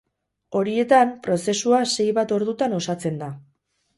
Horietan, prozesua sei bat ordutan osatzen da.